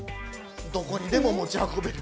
どこにでも持ち運べる。